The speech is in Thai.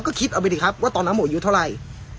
ก็คิดเอาไปดิครับว่าตอนนั้นหมดอายุเท่าไหร่